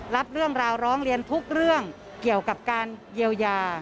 รับเรื่องราวร้องเรียนทุกเรื่องเกี่ยวกับการเยียวยา